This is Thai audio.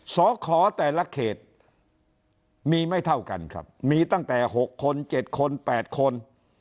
สขแต่ละเขตมีไม่เท่ากันครับมีตั้งแต่๖คน๗คน๘คน